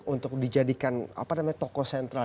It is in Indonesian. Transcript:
untuk dijadikan apa namanya tokoh sentral